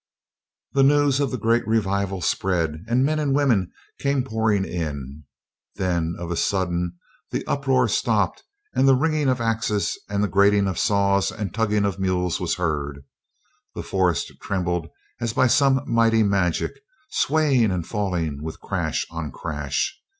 The news of the great revival spread, and men and women came pouring in. Then of a sudden the uproar stopped, and the ringing of axes and grating of saws and tugging of mules was heard. The forest trembled as by some mighty magic, swaying and falling with crash on crash.